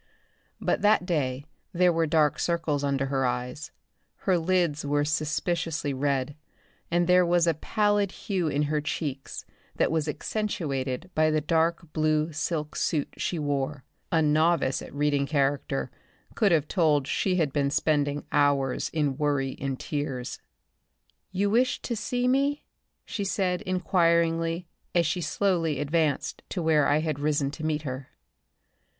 But that day there were dark circles under her eyes, her lids were suspiciously red and there was a pallid hue in her cheeks that was accentuated by the dark blue silk suit she wore. A novice at reading character could have told she had been spending hours in worry and tears. "You wished to see me?" she said, inquiringly, as she slowly advanced to where I had risen to meet her.